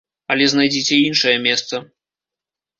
Але знайдзіце іншае месца.